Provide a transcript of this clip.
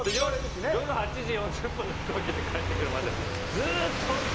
夜８時４０分の飛行機で帰ってくるまでずっと起きてるんですから。